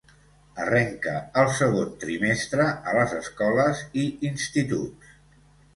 Arrenca el segon trimestre a les escoles i instituts.